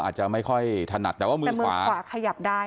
อาจจะไม่ค่อยถนัดแต่ว่ามือขวาขวาขยับได้